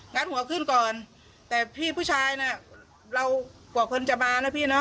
ัดหัวขึ้นก่อนแต่พี่ผู้ชายน่ะเรากว่าคนจะมานะพี่เนอ